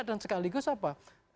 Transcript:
dan sekaligus apa